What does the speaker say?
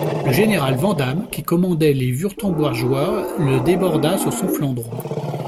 Le général Vandamme, qui commandait les Wurtembergeois, la déborda sur son flanc droit.